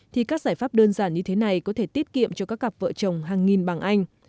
thì các giải pháp đơn giản như thế này có thể tiết kiệm cho các cặp vợ chồng hàng nghìn bằng anh